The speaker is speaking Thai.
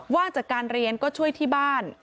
ว่างจากการเรียนก็ช่วยที่บ้าน